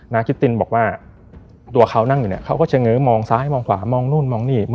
คิตตินบอกว่าตัวเขานั่งอยู่เนี่ยเขาก็เฉง้อมองซ้ายมองขวามองนู่นมองนี่